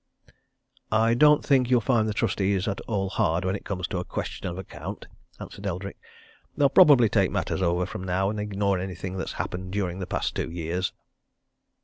"I don't think you'll find the trustees at all hard when it comes to a question of account," answered Eldrick. "They'll probably take matters over from now and ignore anything that's happened during the past two years."